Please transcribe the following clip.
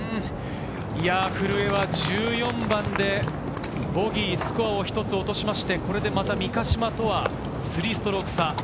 古江は１４番でボギー、スコアを１つ落として三ヶ島とは３ストローク差。